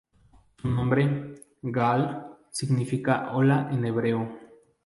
Su nombre, Gal, significa "ola" en hebreo.